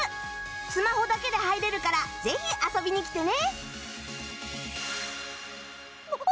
スマホだけで入れるからぜひ遊びに来てね